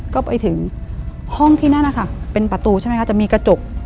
ก็ไปถึงห้องที่นั่นนะคะเป็นประตูใช่ไหมคะจะมีกระจก